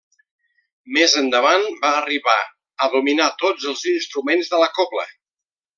Més endavant va arribar a dominar tots els instruments de la cobla.